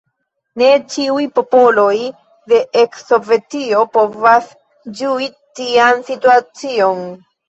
Ne ĉiuj popoloj de eks-Sovetio povas ĝui tian situacion.